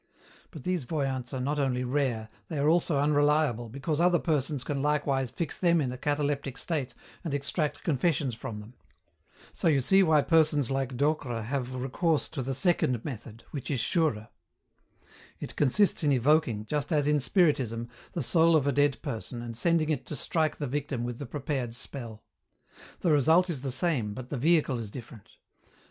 But these voyants are not only rare, they are also unreliable, because other persons can likewise fix them in a cataleptic state and extract confessions from them. So you see why persons like Docre have recourse to the second method, which is surer. It consists in evoking, just as in Spiritism, the soul of a dead person and sending it to strike the victim with the prepared spell. The result is the same but the vehicle is different.